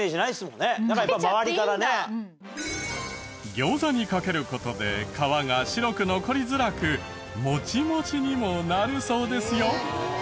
餃子にかける事で皮が白く残りづらくモチモチにもなるそうですよ。